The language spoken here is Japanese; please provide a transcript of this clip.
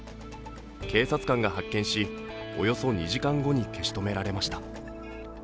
警察官が発見し、およそ２時間後に消し止められました。